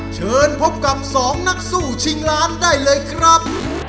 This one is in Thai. เชิญพบกับ๒นักสู้ชิงล้านได้เลยครับ